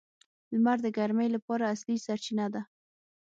• لمر د ګرمۍ لپاره اصلي سرچینه ده.